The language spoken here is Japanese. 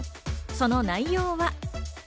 その内容は？